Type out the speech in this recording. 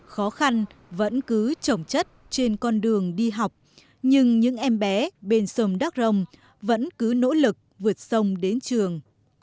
khó khăn vẫn cứ trồng chất trên con đường đi học nhưng những em bé bên sông đắk rồng vẫn cứ nỗ lực vượt sông đến trường